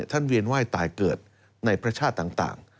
เวียนไหว้ตายเกิดในพระชาติต่าง